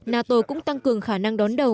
nato cũng tăng cường khả năng đón đầu